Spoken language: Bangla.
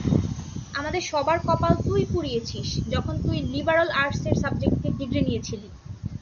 আমাদের সবার কপাল তুই পুড়িয়েছিস, যখন তুই লিবারল আর্টসের সাবজেক্টে ডিগ্রী নিয়েছিলি।